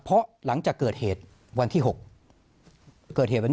เพราะหลังจากเกิดเหตุวันที่๖